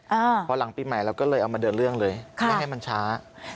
เพราะหลังปีใหม่เราก็เลยเอามาเดินเรื่องเลยไม่ให้มันช้า